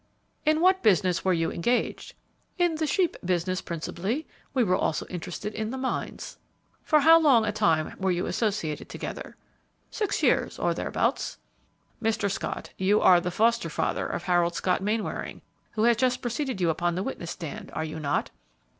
"In what business were you engaged?" "In the sheep business, principally; we were also interested in the mines." "For how long a time were you associated together?" "Six years, or thereabouts." "Mr. Scott, you are the foster father of Harold Scott Mainwaring who has just preceded you upon the witness stand, are you not?"